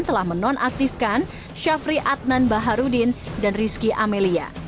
telah menonaktifkan syafri adnan baharudin dan rizky amelia